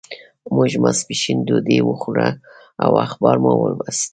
موږ ماسپښین ډوډۍ وخوړه او اخبار مو ولوست.